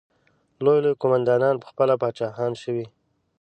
لوی لوی قوماندانان پخپله پاچاهان شوي.